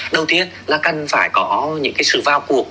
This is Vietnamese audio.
đầu tiên là cần phải có những sự vào cuộc